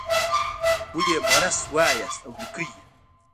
ولې یې مونث وایاست او لیکئ یې.